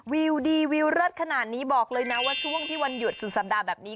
วิวดีวิวเลิศขนาดนี้บอกเลยนะว่าช่วงที่วันหยุดสุดสัปดาห์แบบนี้